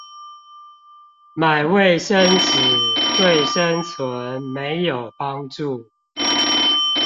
買衛生紙對生存沒有幫助